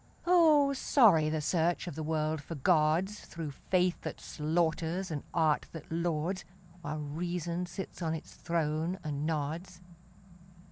Oh, sorry the search of the world for gods, Through faith that slaughters and art that lauds, While reason sits on its throne and nods.